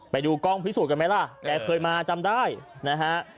ไปดูกล้องพิสูจน์กันไหมล่ะแกเคยมาจำได้นะฮะ